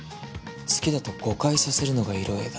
好きだと誤解させるのが色営だ。